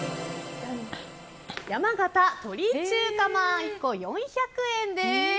山形・鳥中華まん１個４００円です。